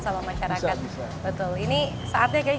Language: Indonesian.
sama masyarakat betul ini saatnya kayaknya